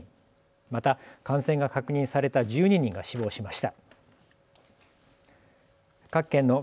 また感染が確認された１２人が死亡しました。